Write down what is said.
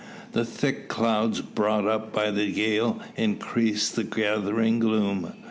The thick clouds brought up by the gale increased the gathering gloom.